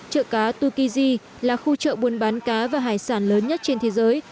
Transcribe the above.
chợ cá tukiji là khu chợ buôn bán cá và hải sản lớn nhất trên thế giới